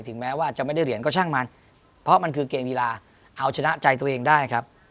แม้ว่าจะไม่ได้เหรียญก็ช่างมันเพราะมันคือเกมกีฬาเอาชนะใจตัวเองได้ครับ